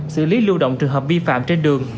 xử lý lưu động trường hợp vi phạm trên đường